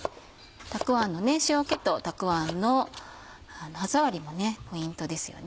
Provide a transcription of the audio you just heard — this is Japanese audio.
たくあんの塩気とたくあんの歯触りもポイントですよね。